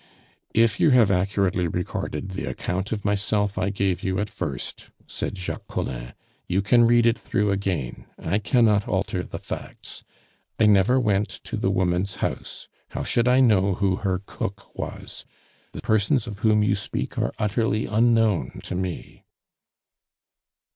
"If you have accurately recorded the account of myself I gave you at first," said Jacques Collin, "you can read it through again. I cannot alter the facts. I never went to the woman's house; how should I know who her cook was? The persons of whom you speak are utterly unknown to me."